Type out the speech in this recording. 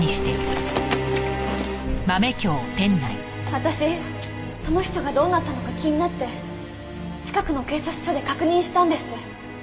私その人がどうなったのか気になって近くの警察署で確認したんです。